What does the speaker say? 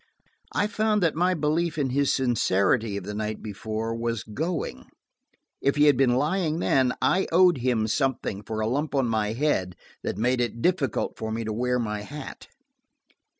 I found that my belief in his sincerity of the night before was going. If he had been lying then, I owed him something for a lump on my head that made it difficult for me to wear my hat.